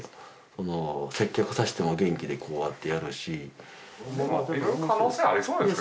その接客さしても元気でこうやってやるし色んな可能性ありそうですよね